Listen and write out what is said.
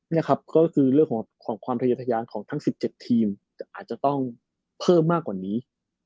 นี่ครับก็คือเรื่องของความทะยานของทั้ง๑๗ทีมอาจจะต้องเพิ่มมากกว่านี้